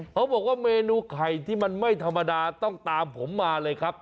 เขาบอกว่าเมนูไข่ที่มันไม่ธรรมดาต้องตามผมมาเลยครับ